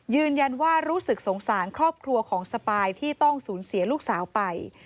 ยืนยันว่ารู้สึกสงสารครอบครัวของสปายที่ต้องสูญเสียลูกสาวไป